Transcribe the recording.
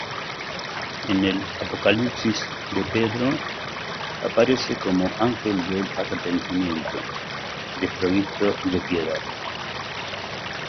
En el "Apocalipsis de Pedro" aparece como Ángel del Arrepentimiento, desprovisto de piedad.